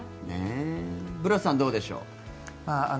ブラスさんどうでしょう。